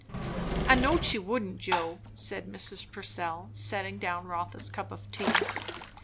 "I knowed she wouldn't, Joe," said Mrs. Purcell, setting down Rotha's cup of tea.